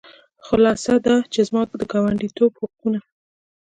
خلاصه دا چې زما د ګاونډیتوب حقونه.